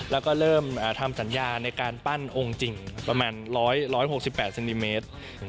แล้วก็เริ่มทำสัญญาในการปั้นองค์จริงประมาณ๑๖๘เซนติเมตร